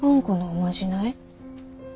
このおまじない？